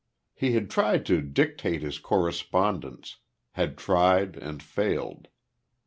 He had tried to dictate his correspondence; had tried, and failed.